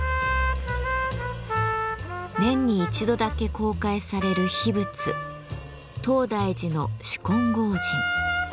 年に一度だけ公開される秘仏東大寺の執金剛神。